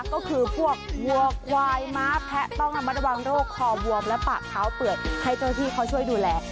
ก็คือพวกวัวควายม้าแพะต้องระมัดระวังโรคคอบวมและปากเท้าเปื่อยให้เจ้าที่เขาช่วยดูแล